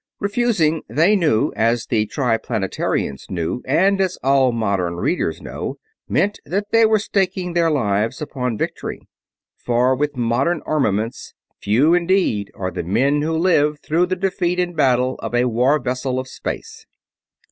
Refusing, they knew, as the Triplanetarians knew and as all modern readers know, meant that they were staking their lives upon victory. For with modern armaments few indeed are the men who live through the defeat in battle of a war vessel of space.